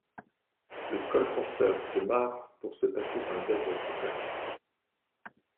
Le colporteur se marre pour se passer d'un zèbre cocasse.